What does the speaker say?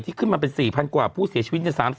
ที่ขึ้นมาเป็น๔๐๐๐กว่าผู้เสียชีวิตจน๓๐กว่าคน